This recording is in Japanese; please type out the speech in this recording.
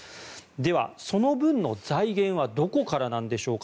では、その分の財源はどこからなんでしょうか。